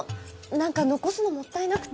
何か残すのもったいなくて。